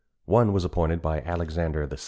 One was appointed by Alexander VI.